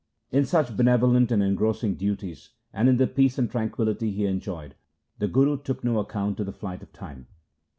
In such benevolent and engrossing duties and in the peace and tranquillity he enjoyed, the Guru took no ac count of the flight of time.